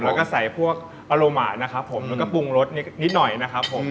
แล้วก็ใส่พวกอโลหะนะครับผมแล้วก็ปรุงรสนิดหน่อยนะครับผม